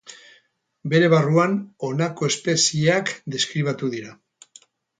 Bere barruan honako espezieak deskribatu dira.